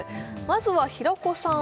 まずは平子さん